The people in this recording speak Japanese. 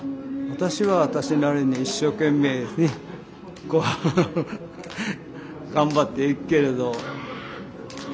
私は私なりに一生懸命ね頑張っていくけれど。